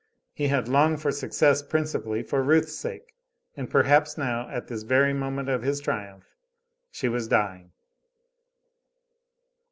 He had longed for success principally for Ruth's sake; and perhaps now, at this very moment of his triumph, she was dying.